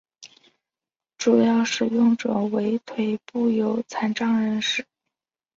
主要使用者为腿部有残障人士。